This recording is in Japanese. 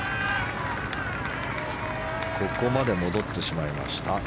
ここまで戻ってしまいました。